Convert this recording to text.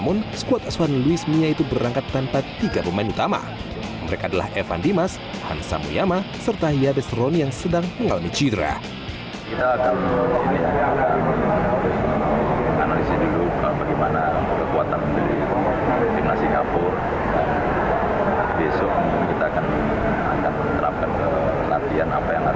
besok kita akan menerapkan latihan apa yang harus kita lakukan